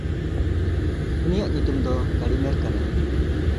ᱩᱱᱤᱭᱟᱜ ᱧᱩᱛᱩᱢ ᱫᱚ ᱠᱟᱲᱤᱢᱮᱨ ᱠᱟᱱᱟ᱾